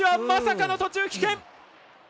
まさかの途中棄権。